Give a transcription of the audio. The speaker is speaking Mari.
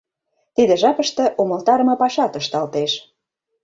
Тиде жапыште умылтарыме пашат ышталтеш.